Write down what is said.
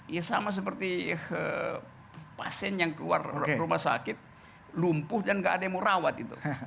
ya sama seperti pasien yang keluar rumah sakit lumpuh dan nggak ada yang mau rawat itu